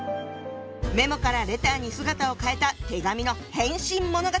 「メモ」から「レター」に姿を変えた手紙の変身物語